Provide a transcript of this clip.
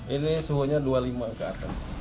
ini suhunya dua puluh lima ke atas